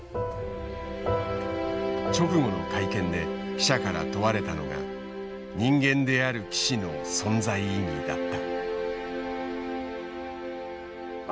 直後の会見で記者から問われたのが人間である棋士の存在意義だった。